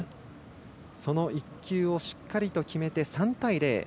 その１球をしっかり決めて３対０。